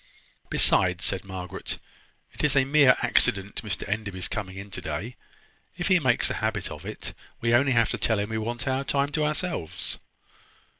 "Besides," said Margaret, "it is a mere accident Mr Enderby's coming in to day. If he makes a habit of it, we have only to tell him that we want our time to ourselves."